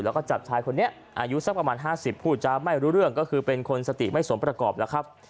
แล้วก็จับชายคนนี้อายุสักประมาณ๕๐พูดจะไม่รู้เรื่องก็คือเป็นคนสติไม่สมประกอบแล้วครับ